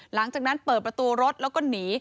หลังจากนั้นเปิดประตูรถแล้วก็หนี